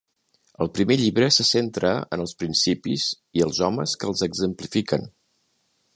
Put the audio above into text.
El primer llibre se centra en els principis i els homes que els exemplifiquen.